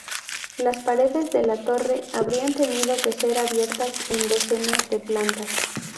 Las paredes de la torre habrían tenido que ser abiertas en docenas de plantas.